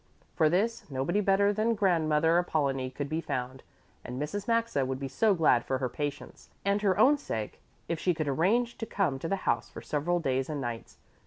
For this nobody better than grandmother Apollonie could be found, and Mrs. Maxa would be so glad for her patient's and her own sake if she could arrange to come to the house for several days and nights.